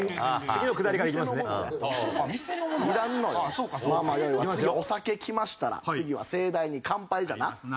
次お酒きましたら次は盛大に乾杯じゃな。